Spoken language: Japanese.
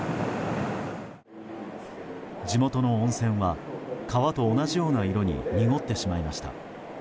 地元の温泉は川と同じような色に濁ってしまいました。